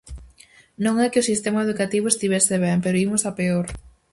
Non é que o sistema educativo estivese ben, pero imos a peor.